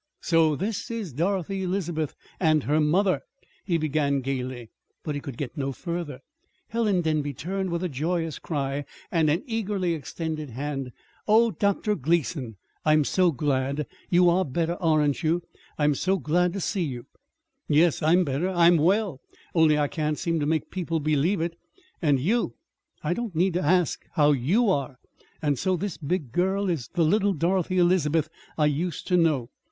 "So this is Dorothy Elizabeth and her mother " he began gayly; but he could get no further. Helen Denby turned with a joyous cry and an eagerly extended hand. "Oh, Dr. Gleason, I'm so glad! You are better, aren't you? I'm so glad to see you!" "Yes, I'm better. I'm well only I can't seem to make people believe it. And you I don't need to ask how you are. And so this big girl is the little Dorothy Elizabeth I used to know.